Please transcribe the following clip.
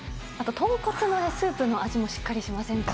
豚骨のスープの味もしっかりしませんか。